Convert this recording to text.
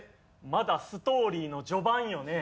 まだストーリーの序盤よね。